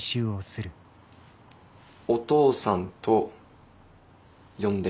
お父さんと呼んで。